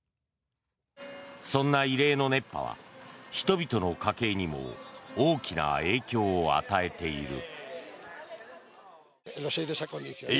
そんな異例の熱波は人々の家計にも大きな影響を与えている。